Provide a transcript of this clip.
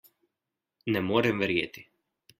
Ne morem verjeti.